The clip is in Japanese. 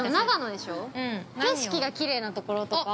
景色がきれいなところとか。